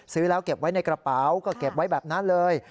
ซื้อแล้วเก็บไว้ในกระเป๋าก็เก็บไว้แบบนั้นเลย